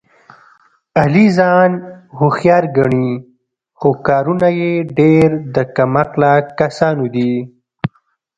علي ځان هوښیار ګڼي، خو کارونه یې ډېر د کم عقله کسانو دي.